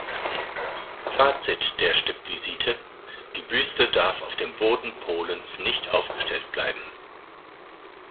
Fazit der Stippvisite: Die Büste darf auf dem Boden Polens nicht aufgestellt bleiben.